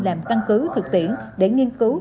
làm căn cứ thực tiễn để nghiên cứu